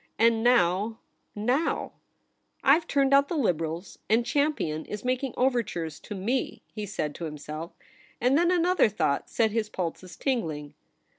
And now — now !' Tve turned out the Liberals, and Champion is making overtures to me,' he said to him self. And then another thought set his pulses tingling.